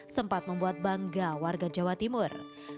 sempat membuat bangga warga jawa timur